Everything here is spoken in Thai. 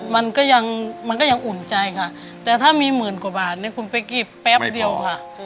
มันก็ยังอุ่นใจค่ะแต่ถ้ามีหมื่นกว่าบาทคุณไปกินแป๊บเดียวค่ะ